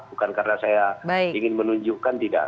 bukan karena saya ingin menunjukkan tidak